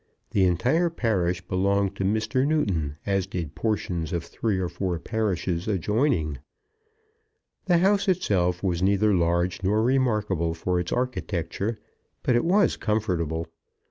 The entire parish belonged to Mr. Newton, as did portions of three or four parishes adjoining. The house itself was neither large nor remarkable for its architecture; but it was comfortable.